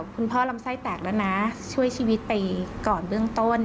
คุณพ่อลำไส้แตกแล้วนะช่วยชีวิตไปก่อนเบื้องต้น